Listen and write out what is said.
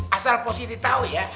asal positi tau ya